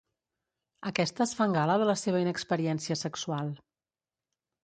Aquestes fan gala de la seva inexperiència sexual.